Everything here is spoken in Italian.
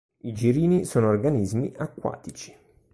I girini sono organismi acquatici.